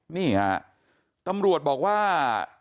นี่ฮะตำรวจบอกว่า